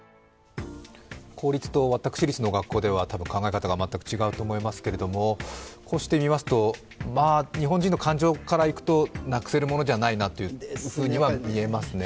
公立と私立の学校ではまた考え方が全く違うと思いますけれども、こうして見ますと、日本人の感情からいくとなくせるものじゃないなというふうには言えますね。